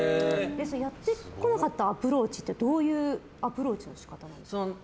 やってこなかったアプローチってどういうアプローチの仕方ですか。